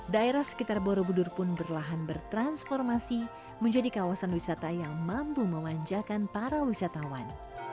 daerah sekitar borobudur pun berlahan bertransformasi menjadi kawasan wisata yang mampu memanjakan para wisatawan